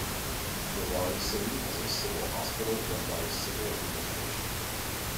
Rewari city has a civil hospital run by the civil administration.